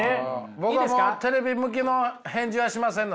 僕はもうテレビ向きの返事はしませんので。